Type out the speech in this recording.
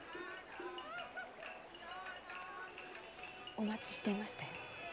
お待ちしていましたよ。